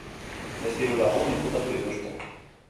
Beste hiru lagun inputatu dituzte.